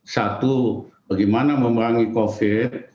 satu bagaimana memerangi covid